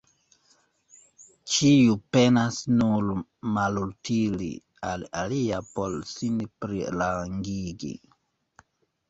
Ĉiu penas nur malutili al alia por sin plirangigi.